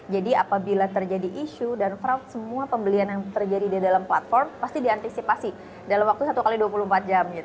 jadi apabila terjadi isu dan fraud semua pembelian yang terjadi di dalam platform pasti diantisipasi dalam waktu satu x dua puluh empat jam